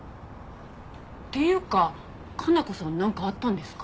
っていうか加奈子さんなんかあったんですか？